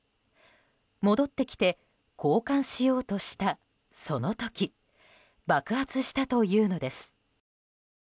戻ってきて交換しようとしたその時爆発したというのです。